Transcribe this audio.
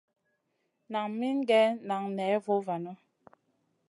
Nan min gue nan ney vovanu.